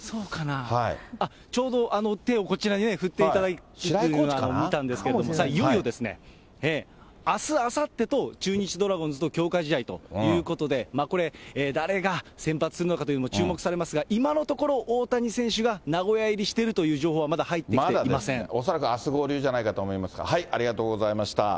ちょうど手をこちらに振っていただいてというのは見えたんですけど、いよいよですね、あす、あさってと、中日ドラゴンズと強化試合ということで、これ、誰が先発するのかというのも注目されますが、今のところ、大谷選手が名古屋入りしてるという情報は、まだ入ってきていませ恐らく、あす合流じゃないかと思いますが、ありがとうございました。